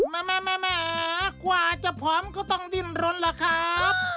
แม่แม่แม่กว่าจะผอมก็ต้องดินรนละครับ